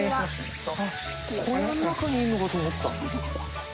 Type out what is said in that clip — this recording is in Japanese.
小屋の中にいるのかと思った。